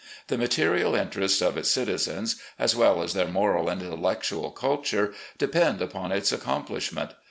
The material interests of its citizens, as well as their moral and intellectual culture, depend upon its accomplishment.